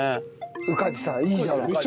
宇梶さんいいじゃない。